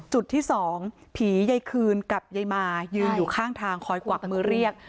จุดที่สองผียายคืนกับยายมายืนอยู่ข้างทางคอยกวักมือเรียก